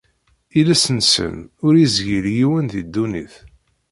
Iles-nsen ur izgil yiwen di ddunit.